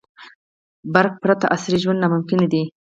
• برېښنا پرته عصري ژوند ناممکن دی.